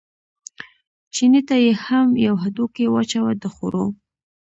چیني ته یې هم یو هډوکی واچاوه د خوړو.